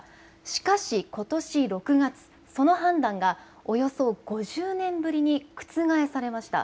しかしことし６月、その判断がおよそ５０年ぶりに覆されました。